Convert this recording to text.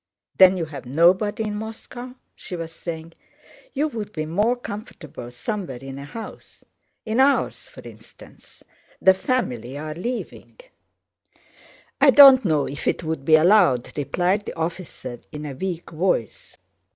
"Then you have nobody in Moscow?" she was saying. "You would be more comfortable somewhere in a house... in ours, for instance... the family are leaving." "I don't know if it would be allowed," replied the officer in a weak voice.